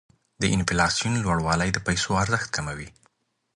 د انفلاسیون لوړوالی د پیسو ارزښت کموي.